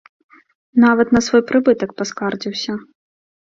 Нават на свой прыбытак паскардзіўся!